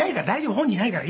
本人いないから」